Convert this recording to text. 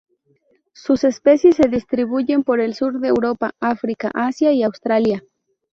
Sus especies se distribuyen por el sur de Europa, África, Asia y Australasia.